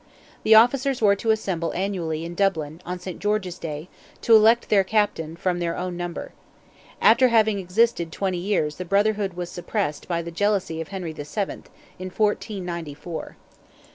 The officers were to assemble annually in Dublin, on St. George's Day, to elect their Captain from their own number. After having existed twenty years the Brotherhood was suppressed by the jealousy of Henry VII., in 1494.